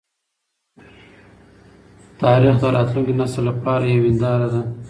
تاریخ د راتلونکي نسل لپاره یو هینداره ده.